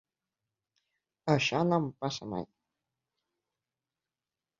Això no em passa mai.